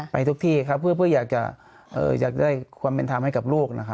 ไปทุกที่ครับเพื่ออยากได้ความเป็นธรรมให้กับลูก